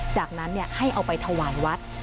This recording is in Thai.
จากนั้นให้เอาไปถวายวัด